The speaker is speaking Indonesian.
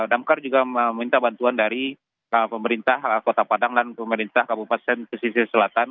damkar juga meminta bantuan dari pemerintah kota padang dan pemerintah kabupaten pesisir selatan